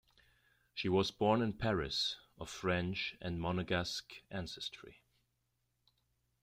She was born in Paris of French and Monegasque ancestry.